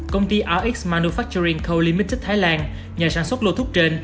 công ty rx manufacturing co ltd thái lan nhà sản xuất lô thuốc trên